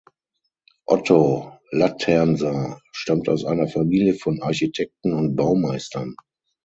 Otto Laternser stammt aus einer Familie von Architekten und Baumeistern.